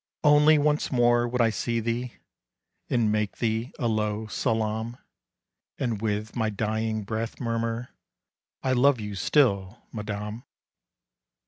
Only once more I would see thee, And make thee a low salaam, And with my dying breath, murmur: "I love you still, Madame!"